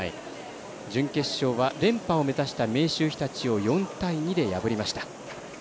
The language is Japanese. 準決勝は連覇を目指した明秀日立を４対２で破りました。